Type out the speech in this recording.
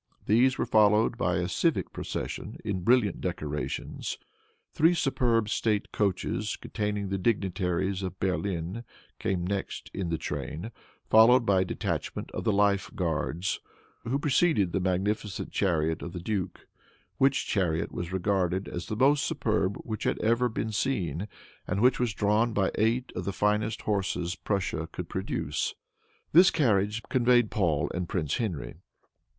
These were followed by a civic procession, in brilliant decorations. Three superb state coaches, containing the dignitaries of Berlin, came next in the train, followed by a detachment of the life guards, who preceded the magnificent chariot of the duke, which chariot was regarded as the most superb which had then ever been seen, and which was drawn by eight of the finest horses Prussia could produce. This carriage conveyed Paul and Prince Henry.